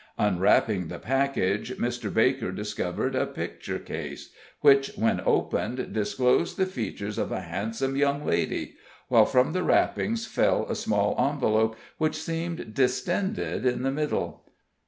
Unwrapping the package, Mr. Baker discovered a picture case, which, when opened, disclosed the features of a handsome young lady; while from the wrappings fell a small envelope, which seemed distended in the middle.